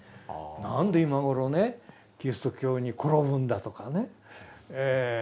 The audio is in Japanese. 「なんで今頃ねキリスト教に転ぶんだ」とかね